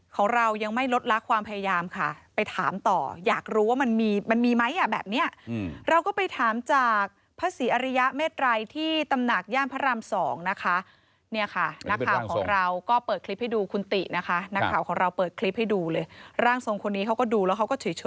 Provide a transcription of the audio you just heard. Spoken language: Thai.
ก็เราก็คิดว่ามันตลกกันอย่างนี้แต่เป็นตลก